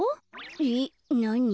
えっなに？